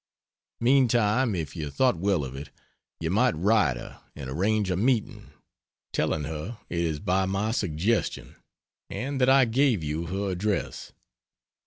Meantime, if you thought well of it, you might write her and arrange a meeting, telling her it is by my suggestion and that I gave you her address.